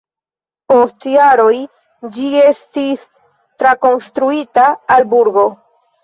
Post jaroj ĝi estis trakonstruita al burgo.